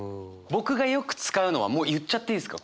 僕がよく使うのはもう言っちゃっていいですか？